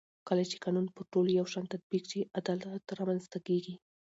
کله چې قانون پر ټولو یو شان تطبیق شي عدالت رامنځته کېږي